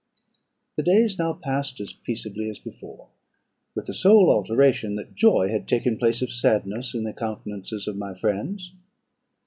"The days now passed as peaceably as before, with the sole alteration, that joy had taken place of sadness in the countenances of my friends.